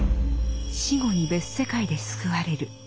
「死後に別世界で救われる」